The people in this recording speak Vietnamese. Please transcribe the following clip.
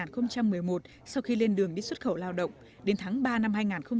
năm hai nghìn một mươi một sau khi lên đường đi xuất khẩu lao động đến tháng ba năm hai nghìn một mươi tám